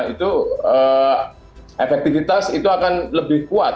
itu efektivitas itu akan lebih kuat